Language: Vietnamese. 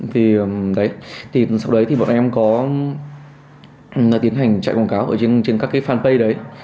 thì đấy sau đấy thì bọn em có tiến hành chạy quảng cáo ở trên các cái fanpage đấy